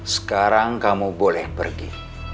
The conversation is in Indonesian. sekarang kamu boleh pergi